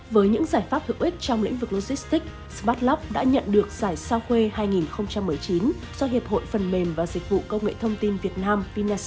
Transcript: với những giải pháp hữu ích trong lĩnh vực logistics smartlock đã nhận được giải sao khuê hai nghìn một mươi chín do hiệp hội phần mềm và dịch vụ công nghệ thông tin việt nam